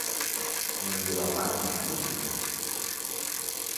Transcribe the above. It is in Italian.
Non girò mai più film.